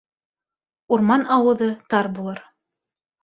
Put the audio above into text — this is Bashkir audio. Урман ауыҙы тар булыр